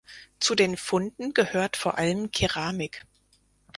Zu den Funden gehört vor allem Keramik.